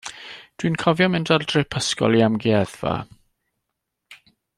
Dw i'n cofio mynd ar drip ysgol i amgueddfa.